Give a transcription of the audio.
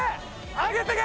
上げてけ！